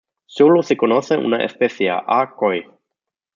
Solo se conoce una especie, A. koi.